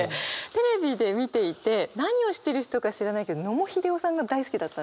テレビで見ていて何をしている人か知らないけど野茂英雄さんが大好きだったんですね。